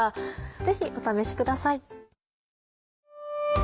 ぜひお試しください。